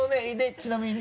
ちなみに？